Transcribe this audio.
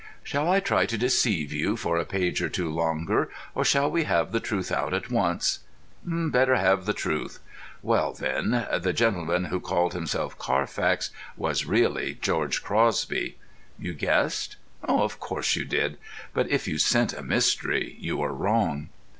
Shall I try to deceive you for a page or two longer, or shall we have the truth out at once? Better have the truth. Well, then—the gentleman who called himself Carfax was really George Crosby. You guessed? Of course you did. But if you scent a mystery you are wrong.